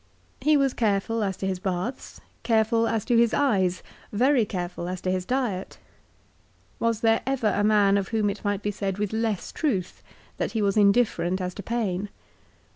He was careful as to his baths, careful as to his eyes, very careful as to his diet. Was there ever a man of whom it might be said with less truth that he was indifferent as to pain